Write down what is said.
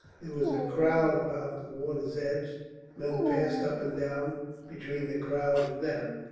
There was a crowd about the water's edge, men passed up and down between the crowd and them.